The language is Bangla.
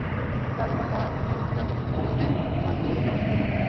তার অপর হাত মুহূর্তে ডান চোখে চলে গেলে হাত তীরের উপর গিয়ে পড়ে।